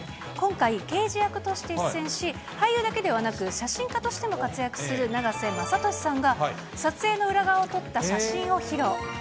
今回、刑事役として出演し、俳優だけではなく写真家としても活躍する永瀬正敏さんが、撮影の裏側を撮った写真を披露。